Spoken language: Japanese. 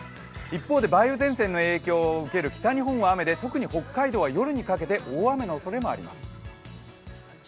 一方で梅雨前線の影響を受ける北日本は雨で特に北海道は夜にかけて大雨のおそれもあります。